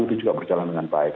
itu juga berjalan dengan baik